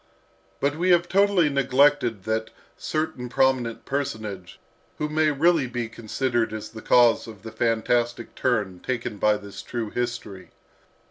But we have totally neglected that certain prominent personage who may really be considered as the cause of the fantastic turn taken by this true history.